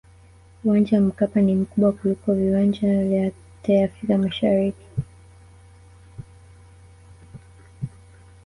uwanja wa mkapa ni mkubwa kuliko viwanja vyote afrika mashariki